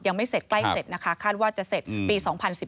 ยังไม่เสร็จใกล้เสร็จนะคะคาดว่าจะเสร็จปี๒๐๑๘